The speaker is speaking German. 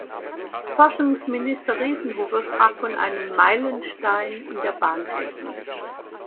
Forschungsminister Riesenhuber sprach von einem „Meilenstein in der Bahntechnik“.